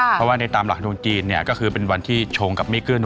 เพราะว่าในตามหลักของจีนเนี่ยก็คือเป็นวันที่ชงกับไม่เกื้อน